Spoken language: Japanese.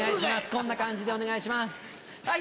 こんな感じでお願いします。